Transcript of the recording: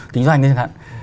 kinh doanh chẳng hạn